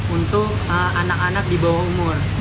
untuk anak anak di bawah umur